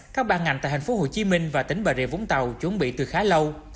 các ban ngành tại tp hcm và tỉnh bà rịa vũng tàu chuẩn bị từ khá lâu